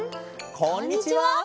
こんにちは。